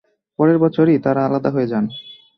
পরের বছরই তারা আলাদা হয়ে যান।